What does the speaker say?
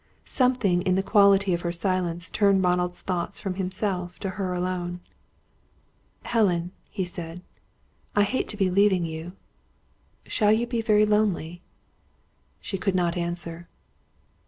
Something in the quality of her silence turned Ronald's thoughts from himself to her alone. "Helen," he said, "I hate to be leaving you. Shall you be very lonely?" She could not answer.